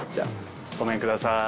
ごめんください。